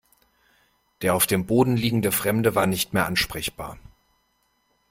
Der auf dem Boden liegende Fremde war nicht mehr ansprechbar.